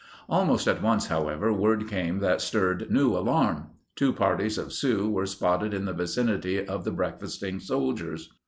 Almost at once, however, word came that stirred new alarm. Two parties of Sioux were spotted in the vicinity of the breakfasting soldiers.